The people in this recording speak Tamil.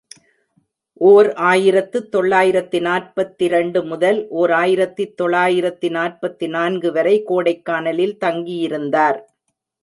ஓர் ஆயிரத்து தொள்ளாயிரத்து நாற்பத்திரண்டு முதல் ஓர் ஆயிரத்து தொள்ளாயிரத்து நாற்பத்து நான்கு வரை கோடைக்கானலில் தங்கி யிருந்தார்.